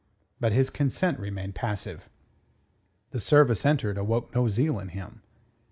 But his consent remained passive. The service entered awoke no zeal in him.